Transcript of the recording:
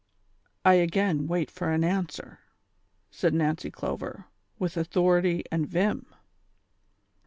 I again wait for an answer," said Nancy Clover, with authority and vim.